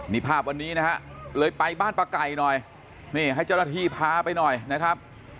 นี่ภาพวันนี้นะฮะเลยไปบ้านป้าไก่หน่อยนี่ให้เจ้าหน้าที่พาไปหน่อยนะครับ